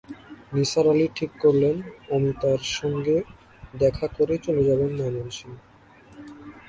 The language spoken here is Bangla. নিসার আলি ঠিক করলেন, অমিতার সঙ্গে দেখা করেই চলে যাবেন ময়মনসিংহ।